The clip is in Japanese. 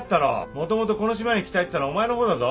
もともとこの島に来たいって言ったのはお前のほうだぞ。